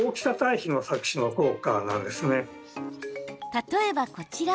例えば、こちら。